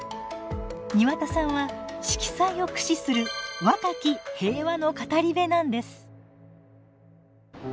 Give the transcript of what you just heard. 庭田さんは色彩を駆使する若き平和の語り部なんです。